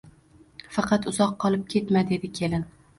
Faqat uzoq qolib ketma, dedi kelin